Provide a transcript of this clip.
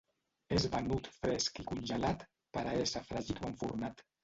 És venut fresc i congelat per a ésser fregit o enfornat.